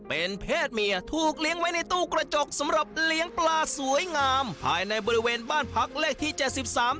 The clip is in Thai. เป็นเพศเมียถูกเลี้ยงไว้ในตู้กระจกสำหรับเลี้ยงปลาสวยงามภายในบริเวณบ้านพักเลขที่เจ็ดสิบสาม